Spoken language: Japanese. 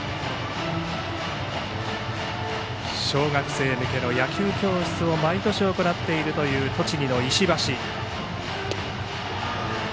小学生向けの野球教室を毎年行っているという栃木の石橋。